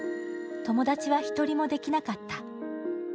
友達は１人もできなかった。